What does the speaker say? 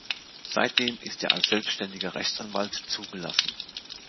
Seitdem ist er als selbständiger Rechtsanwalt zugelassen.